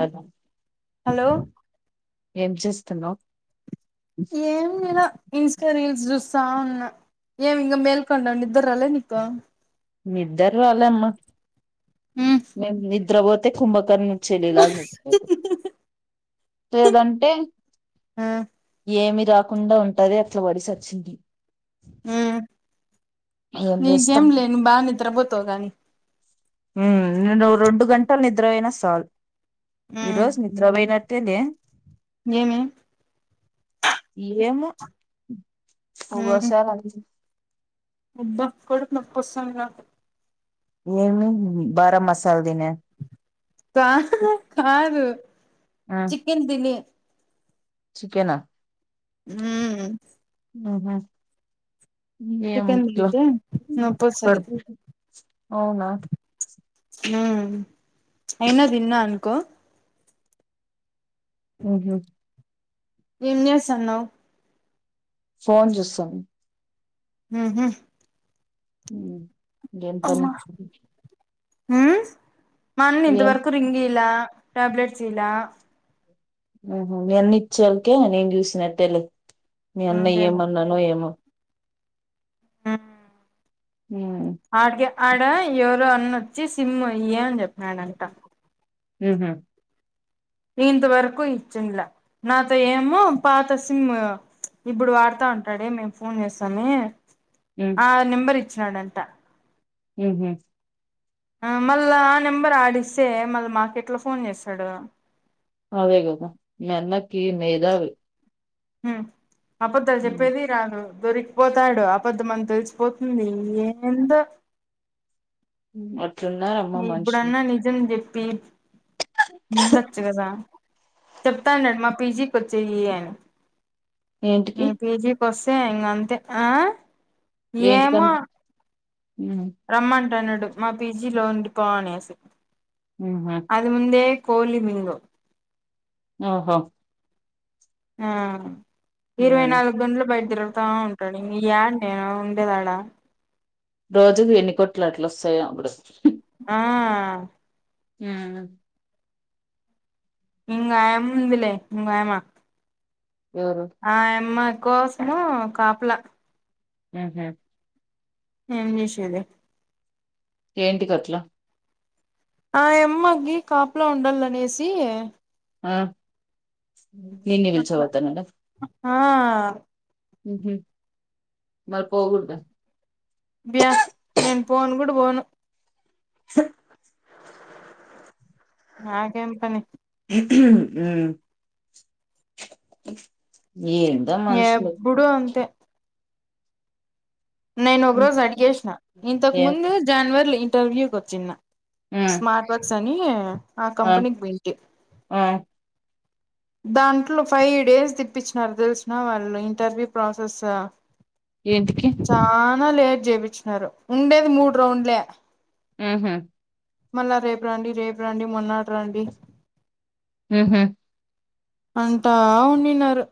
Hello hello ఏం చేస్తున్నావు ఏం లే ఇన్స్టా రీల్స్ చూస్ తావున్న ఏం ఇంగ మేల్కోని వుండావు నిద్ర రాలే నీకు. నిద్దర్ రాలేమ్మ మ్మ్ నీ నీ ద్రవోతే కుంభకర్ణుని చెల్లిలాగా నిద్రపోతవు లేదంటే ఏమి రాకుండా ఉంటది అట్లా వడి సచ్చింది మ్మ్ ఏం చేస్తం బా నిద్ర బోతవుగానీ ఉమ్ నేను రెండు గంటలు నిద్ర పోయినా సాల్ ఈ రోజు నిద్రవొయి తిందే ఇంగేమి ఏమో హ్ మ్మ్ అవసరంత్ అబ్బా కడుపు నొప్పి వొస్సంది నాకు ఏమైంది బార మసాల్ కా కాదు ఆ చికెన్ దినే చికెనా హ్మ్మ్ న హా ఇంగేమ్ చికెన్ ఇట్ల తింటే నొప్పి వస్తది పడుకోకు అవునా ఆ అయినా తిన్నా అనుకో ఉహ నిన్ సన్నావు ఫోన్ చేస్తాను హ ఉ గను పని హ మ ఏం ఆన్నఇంతవరకు రింగిలా ట్యాబ్లెట్స్ ఇలా ఆహ మీ అన్ని ఇచ్చాలకే నేం చూసినట్టే లేదు మీ అన్నయ్య ఇంకేమి ఏమన్నాను ఏమ ఆ హ ఆడికి ఆడ ఎవరో అన్నొచ్చి సిమ్ అయ్య అని చెప్తారు అేడంతా హహ ఇంత వరకు ఇచ్చింల నాతో ఏమో పాత సిమ్ ఇప్పుడు వాడతా ఉంటాడే మేము ఫోన్ చేస్తాము ఆ నిబర్ ఇచ్చ చ్చినాడంట హ్మ్ హు ఆ మళ్ళా ఆ నెంబర్ ఆడిస్తే మళ్ళీ మాకు ఎట్లా ఫోన్ చేస్తడు అదే కదా మీ అన్నకి మేధావి హ్మ్ అపద్ధాలు ఉమ్ చెప్పేది రాదు దొరికిపోతాడు అబద్ధం అని తెలిసిపోతుంది ఏందో అట్లున్నారమ్మ ఇ మనుషులు ఇప్పుడన్నా నిజం చెప్ పే మలొచ్చు కదా చెప్తండేది మా పీజీకి వచ్చేయి అనీ ఏంటికి మీ పిజీ కోస్తే ఇంగ అంతే ఆ ఏమో ఏంటికని ఉమ్ రమ్మటన్నాడు మా పిజీ జీలో ఉడిపో అనేసి ఉహు అది ముందే కోలి మీంగు ఆహా ఆ ఇరవై ఉమ్ నాలుగు గంటలు బయట తిరుగుతా ఉంటాడు ఇంగ యాడ నే డేది ఆడ రోజుకు ఎన్నికోటట్లు వస్తాయో అప్పుడు ఆ ఉ ఇంగ ఆయమ్మ ఉంది లె ఇంగోయమ్మ ఎవరు ఆ యామ్మా కోసము కాపలా ఉహు ఏం చేసేది ఏంటికట్లా ఆ యమ్మకి కాపలా ఉండాల అనేసి ఆ నిన్ను [unintelligible] పిలిచపోతాన్నాడా ఆ ఉహు మరి పోగుడదా అబ్యా నేను పోను కూడా పోను నాకేం పని ఉ ఎభుడు అంతే నేను ఒక రోజు అడిగేసిన ఇంతకు ఏ ముందు జనవరిలో ఇంటర్వికి వోచిన ఉమ్ స్మార్ట్ వక్ తని ఆ కంపెనీకి పొయింటి ఆ దాంట్లో ఫైవ్ డేస్ తిప్పించినారు తెలిసిన వాళ్ళు ఇంటర్వ్యూ ప్రాసెస్ ఏంటికి చనా లేట్ జేపిచ్చినారు ఉండేది మూడు రౌండ్లే. ఉమ్ హ్ మళ్ళా రేపు రండి రేపు రండి మొన్నాటు రండి. ఉమ్ హు అంటా వుండిన్నారు.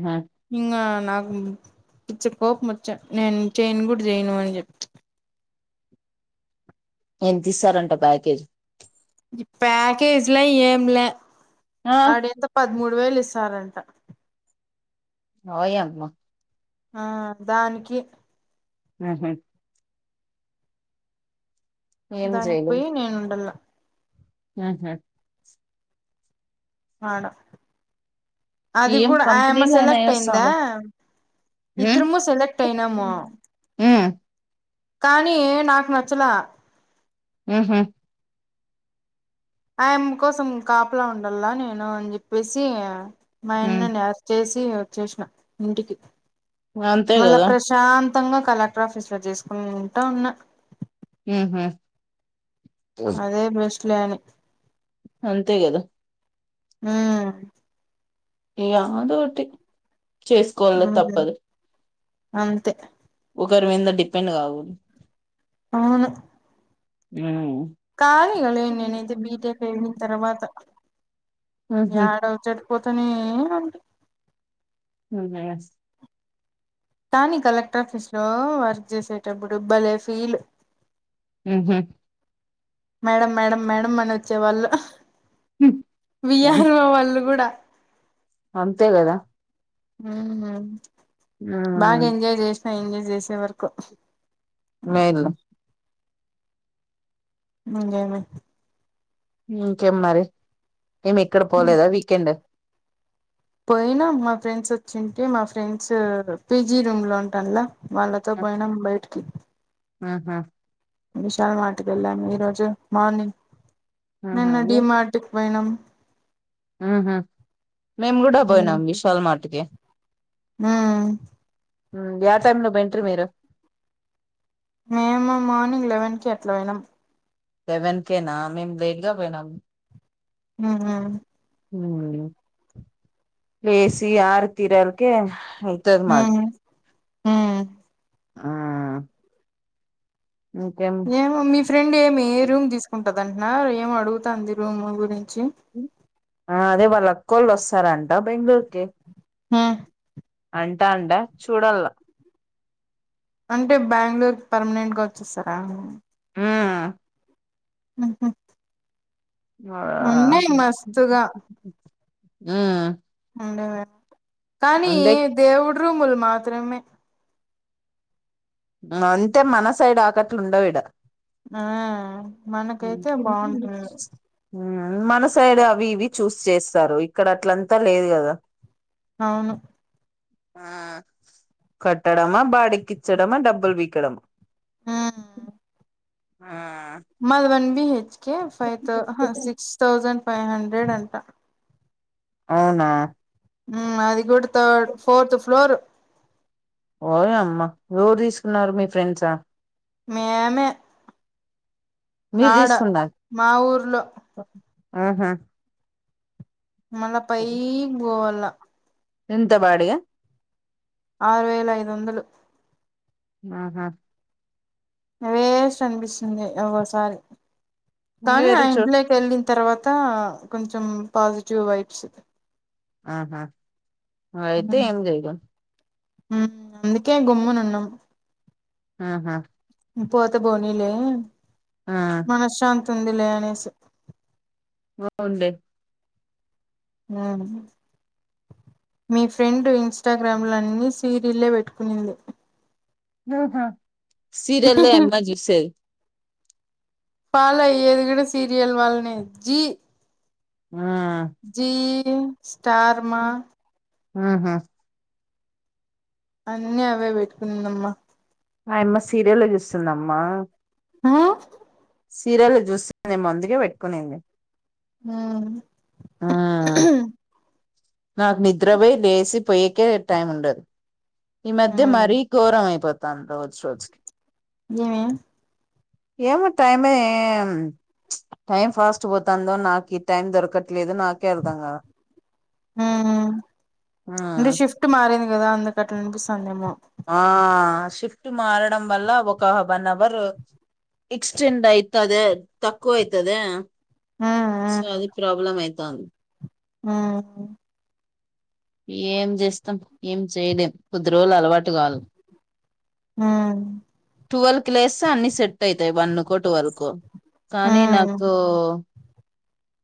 ఆ ఇంగాన్ నాకు పిచ్చ కోపం వచ్చే, నేను చెయను గూడ చేయను అని చెప్ ఏంతిస్తారంట ప్యాకేజ్? ఈ ప్యాకేజ్లా ఏంలే ఆ ఆడేంత పడ్ మూడు వేలు ఇస్తారంట ఓయమ్మ ఆ, దానికి ఆహా దానికిపోయి నేనుండాళ్ళ హహ ఆవును అది ఏం కూడా ఆమ్మ సెలెక్ట్ కంపెనీలేనాయా అయిందా? స్వామి ఉమ్ ఇద్ద్రము సెలెక్ట్ అయినము. ఉమ్ కానీ నాకు నచ్చలా ఉమ్ హు ఆయమ్మ కోసం కాపలా ఉండాల నేను, అని చెప్పేసి ఉమ్ మాయన్న లాస్టేజ్ తే ఇగ చేేసిన ఇంటికి అంతే మళ్ల కదా ప్రశాంత్ త్తంగా కలెక్టర్ ఆఫీసులో జేసుకుంటా ఉన్నా. ఉమ్ హు అదే ప్రశా లని అంతే గదా ఉమ్ యాదోటి చేసుకోవాల ఉమ్ తప్పదు. అంతే ఒకరి మింద డిపెండ్ గాకుడుదు. అవును ఊమ్ కాదిగ నె నేనైతే బీటెక్ అయిన్తర్వాత, ఉహు యాడ వచ్చేది ప్ తననీ [unintelligible] లేస్ కాానీ కలెక్టర్ ఆఫీస్ లో వర్క్ చేసేటప్పుడుబ్ బలే ఫీల్ హ్మ్మ్ మేడం మేడం మేడం అని వచ్చే వాళ్ళు ఉమ్, విఆర్ఓ వాళ్ళు కూడా అంతే కదా హ్మ్మ్ బాగా ఉమ్, ఎంజాయ్ చేసినా ఎంజా చేసేవర్కు మేల్ అ లేేమ ఇంకేం మరి మేమి ఎక్కడ పోలేదా వీకెండ్ పోయినాం మా ఫ్రెండ్స్ వచ్చింటే మా ఫ్రెండ్స్ పీజీ రూమ్ లో ఉంటాలా వాళ్ళతో పోయినాం బయటికి ఆహా విశాల్ మార్ట్ కి వెళ్ళాము ఈ రోజు మార్నింగ్ నిన్న డీమార్ట్ కి పోయినా ఉహ మేము కూడా పోయినాం విశల్ మార్ట్ కి ఆ యా టైమ్ లో పోయిండ్రు మీరు మేము మార్నింగ్ లెవెన్ కి ఎట్లా పోనాం సెవెన్ కేేనా మేము లేట్ గా పోయినాము ఆ హ లేేసి ఆారు తీరాలకే నత మాది హ్మ్మ్ ఆ ఇంకేం ఏమ మీ ఫ్రెండ్ ఏమి ఏ రూమ్ తీసుకు ఉంటదంటన్నారు ఏం అడుగుతుంది రూమ్ము గురించి జ ఆ అదే వాళ్ళు అక్కోళ్ళు వస్తారంట బెంగళూరుకి హ అంటా అంట చూడలా అంటే బెంగళూరు పర్మనెంట్ గా వచ్చేస్తారా ఆ ఆహా ఆ ఉ అంట కానీ దేవుడు రూములు మాత్రమే ఆ అంతే మన సైడ్ ఆకట్లు ఉండవీడ ఆ మనకైతే బావుంటుంది హ్మ్ మన సైడ్ అవి ఇవి చూస్ చేస్తారు. ఇక్కడ అట్లంతా లేదు కదా అవును కొట్టడమా బాడికిచ్చడమా డబ్బులు పీకడమా మళ్ళ వాన్ కీ కే ఫైతౌ అహా six thousand five hundred అంటా అవునా హ్మ్ అది కూడా థర్ ఫోర్త్ ఫ్లోర్ ఓయమ్మా ఎవరు తీసుకున్నారు మీ ఫ్రెండ్సా? మేమే మీరు ఆడ తీసుకున్నారు మా ఊర్లో ఆహా మళ్ళ పైక్ పోవాలా ఎంత బాడిగ ఆరు వేల ఐదు వందలు ఆహా వేస్ట్ అనిపిస్తుంది ఒక్కోసారి కానీ ఆ వేరే చోట్ ఇంట్లోకి వెళ్ళిన తర్వాత్ త కొంచెం పాజిటివ్ వైబ్స్ ఆహా అయితే ఏం చేయలేం హ్మ్ అందుకే గమ్మునున్నం ఆహా పోతే బోనీలే ఆ మనశ్శాంత్ తుందిలే అనేసి బావుండే హ్మ్ మీ ఫ్రెండ్ ఇన్స్టాగ్రామ్లన్నీ సీరిల్లే పెట్టుకునింది ఆహా సీర్యల్లే అమ్మాయ్ చూసేది ఫాలో అయ్యేది గూడా సీరియల్ వాళ్లనే జీ ఆ జీ ఈ స్టార్మా ఆహా అన్నీ అవే పెట్టుకునిందమ్మా ఆయమ్మ సీరియల్ చూస్తుందమ్మా ఆ సీరియల్ జ్యూస్ నే ముందుగాే పెట్టుకునింది ఆ ఆ నాకు నిద్రపో లేసి పొయ్యకే టైం ఉండదు ఈ మధ్య ఉమ్ మరీ ఘోరం అయిపోతుది తాంత వచ్చ వచ్చకి ఏమీ ఏమో టైమే టైం ఫాస్ట్ పోతుందో నాకు ఈ టైం దొరకట్లేదు నాకే అర్థంంగాద హ్మ్మ్ అంటే షిఫ్ట్ మారంది కదా అందుకే అట్లా అనిపిస్తుందేమో ఆ షిఫ్ట్ మారడం వల్ల ఒక్న్ అవర్ ఎక్స్టెండ్ అయితద తక్కువ అయితుది సో అది ప్రాబ్లమ్ యితే తన్ హ్మ్మ్ ఏం చేస్తాం ఏం చేయలేం కొద్ది రోజులు అలవాటు కాాల హ్మ్మ్ టువెల్్ క్లేస్ అన్ని సెట్ అవుతాయి వన్ కోటి వరకు కానీ ఉమ్ నాకు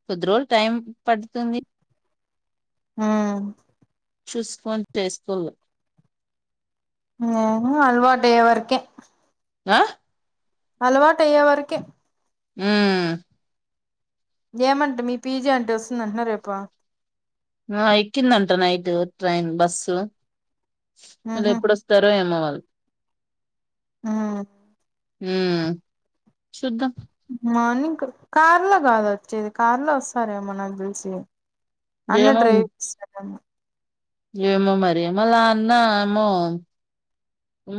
కొద్దిరోజులు టైం పడుతుంది హ చూసుకొని చేసుకోళు ఏ అల్వాటయ వరకే ఆ అలవాటు అయ్యే వరకే హ్మ్మ్ ఏమంట మీ పీజీ అంటే వస్తుంద అంటున్నా రేపా ఎకిందంట నైట్ ట్రైన్ బస్సు వాళ్ళు ఉహు ఎప్పుడుొస్తారో ఏమవాల ఆ హ్మ్మ్ శుద్ధం మనింగ్ కార్ లో కాదు వచ్చేది కార్లో వస్తారేమో నాకు తెలిసి అన్న ఏమో డ్రైవ ఏమో మరి మలా అన్నా ఏమో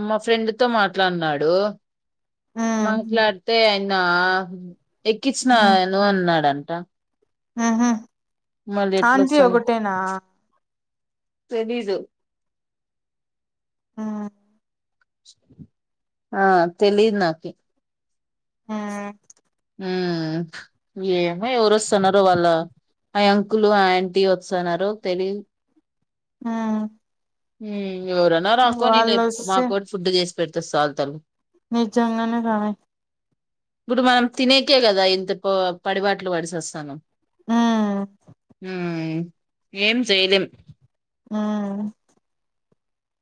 మా ఫ్రెండ్ త మాట్లాడిన్నాడు ఉమ్ మాట్లాడితే నా ఎక్కించిన ఉమ్ ఏను అన్నాడన్ ట ఉహు ఆంటీ ఎట్లొస్తాను ఒకటేనా తెలీదు ఉ ఆ తెలీదు నాకి ఊ ఊ ఏ ఎవరోస్తున్నారో వాళ్ళ ఆ అంకులు ఆంటీ వస్తున్నారు తెలిదు ఉ ఊ ఎవరన్నా రాకోనిలే మాకోటి ఫుడ్ చేస్ పెడితే సాలు తలు నిజ్జంగానే గానే గుడ్ మార్న తినేకే కదా ఇంత ప పడిబట్లు పడి సస్తానం ఉ ఉమ్ ఏం చేయలేం ఊ